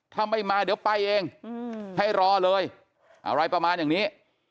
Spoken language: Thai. ถ้าไม่มาเดี๋ยวไปเองให้รอเลยอะไรประมาณอย่างนี้